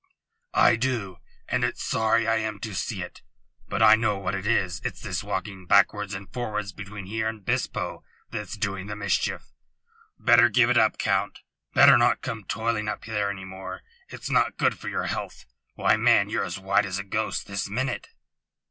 "I do, and it's sorry I am to see it. But I know what it is. It's this walking backwards and forwards between here and Bispo that's doing the mischief. Better give it up, Count. Better not come toiling up here any more. It's not good for your health. Why, man, ye're as white as a ghost this minute."